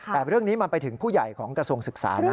แต่เรื่องนี้มันไปถึงผู้ใหญ่ของกระทรวงศึกษานะ